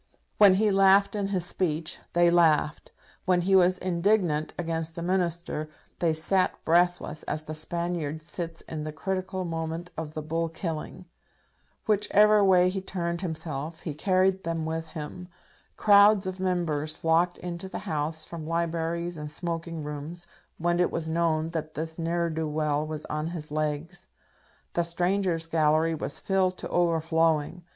When he laughed in his speech, they laughed; when he was indignant against the Minister, they sat breathless, as the Spaniard sits in the critical moment of the bull killing. Whichever way he turned himself, he carried them with him. Crowds of Members flocked into the House from libraries and smoking rooms when it was known that this ne'er do well was on his legs. The Strangers' Gallery was filled to overflowing.